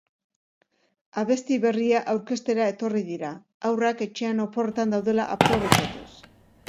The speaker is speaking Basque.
Abesti berria aurkeztera etorri dira, haurrak etxean oporretan daudela aprobetxatuz.